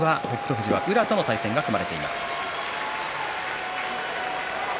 富士は宇良との対戦が組まれています。